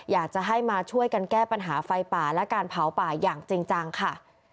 อยากจะให้มาช่วยกันแก้ปัญหาไฟป่าและการเผาป่าอย่างจริงจังค่ะ